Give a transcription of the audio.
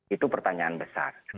itu pertanyaan besar